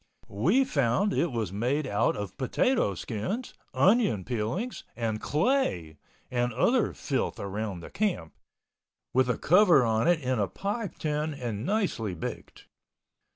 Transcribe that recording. We found it was made out of potato skins, onion peelings and clay, and other filth around the camp, with a cover on it in a pie tin and nicely baked.